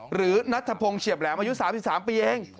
หรือนัทพงศ์เฉียบแหลมอายุ๓๓ปีเอง